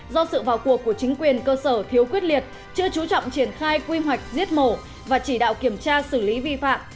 do sự vào cuộc của chính quyền cơ sở thiếu quyết liệt chưa chú trọng triển khai quy hoạch giết mổ và chỉ đạo kiểm tra xử lý vi phạm